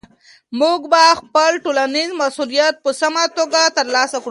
موږ به خپل ټولنیز مسؤلیت په سمه توګه ترسره کړو.